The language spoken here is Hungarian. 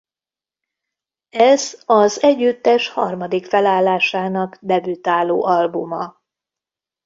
Ez az együttes harmadik felállásának debütáló albuma.